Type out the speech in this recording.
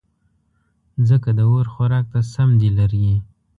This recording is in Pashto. ځکه د اور خوراک ته سم دي لرګې